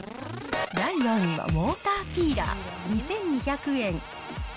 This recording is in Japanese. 第４位、ウォーターピーラー２２００円。